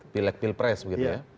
pilek pilek pres begitu ya